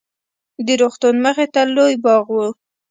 د روغتون مخې ته لوى باغ و.